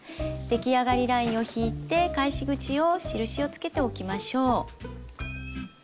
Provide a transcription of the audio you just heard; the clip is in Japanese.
できあがりラインを引いて返し口を印をつけておきましょう。